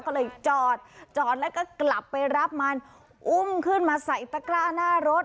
ก็เลยจอดจอดแล้วก็กลับไปรับมันอุ้มขึ้นมาใส่ตะกร้าหน้ารถ